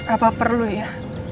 apa perlu ya